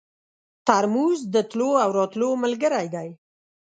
ترموز د تللو او راتلو ملګری دی.